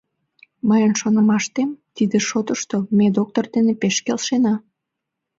Мыйын шонымаштем, тиде шотышто ме доктор дене пеш келшена.